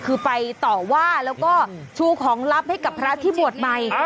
คือไปต่อว่าแล้วก็ชูของลับให้กับพระที่บวชใหม่